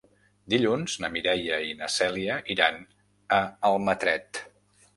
Dilluns na Mireia i na Cèlia iran a Almatret.